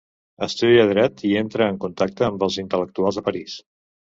Estudia dret i entra en contacte amb els intel·lectuals de París.